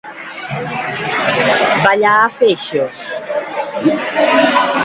Ballar a feixos.